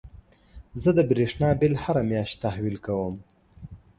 زه د برېښنا بيل هره مياشت تحويل کوم.